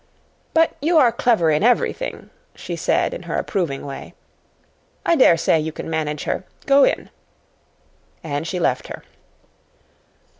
"But you are clever in everything," she said in her approving way. "I dare say you can manage her. Go in." And she left her.